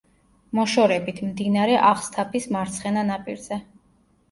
მოშორებით, მდინარე აღსთაფის მარცხენა ნაპირზე.